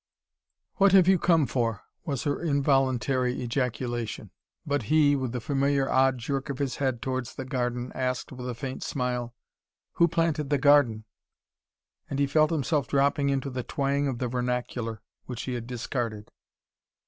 "What have you come for!" was her involuntary ejaculation. But he, with the familiar odd jerk of his head towards the garden, asked with a faint smile: "Who planted the garden?" And he felt himself dropping into the twang of the vernacular, which he had discarded.